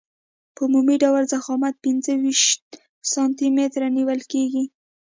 په عمومي ډول ضخامت پنځه ویشت سانتي متره نیول کیږي